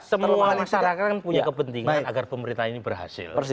semua masyarakat kan punya kepentingan agar pemerintah ini berhasil